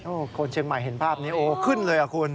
คนเชียงใหม่เห็นภาพนี้โอ้ขึ้นเลยอ่ะคุณ